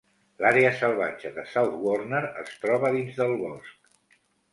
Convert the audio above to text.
L"àrea salvatge de South Warner es troba dins del bosc.